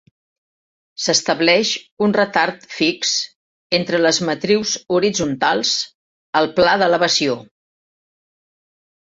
S'estableix un retard fix entre les matrius horitzontals al pla d'elevació.